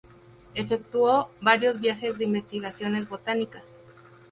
Efectuó varios viajes de investigaciones botánicas.